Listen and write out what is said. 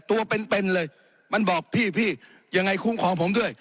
ตัวเป็นเป็นเลยมันบอกพี่พี่ยังไงคุ้มของผมด้วย